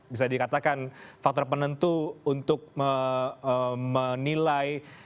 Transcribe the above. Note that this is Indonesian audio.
bisa dikatakan faktor penentu untuk menilai